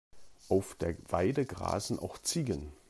Auf der Weide grasen auch Ziegen.